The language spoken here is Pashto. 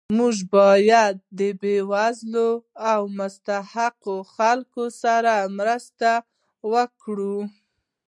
موږ باید د بې وزلو او مستحقو خلکو سره مرسته وکړو